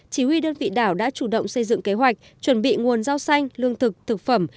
chỉ huy đơn vị đảo đã chủ động xây dựng kế hoạch chuẩn bị nguồn rau xanh lương thực thực phẩm